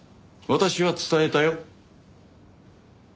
私は伝えたよ。